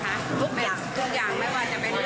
คือคนที่มีความทุกข์จะมาหาลูกพ่อมาบอกมวย